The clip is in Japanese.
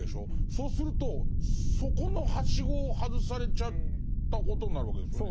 そうするとそこのはしごを外されちゃったことになるわけですよね。